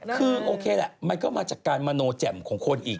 คือโอเคแหละมันก็มาจากการมโนแจ่มของคนอีก